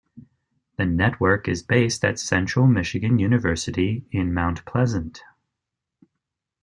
The network is based at Central Michigan University in Mount Pleasant.